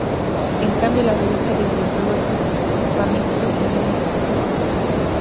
En cambio, la revista de videojuegos "Famitsu" le dio una extensa cobertura.